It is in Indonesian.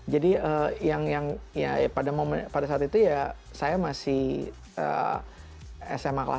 jadi yang pada saat itu ya saya masih sma kelas satu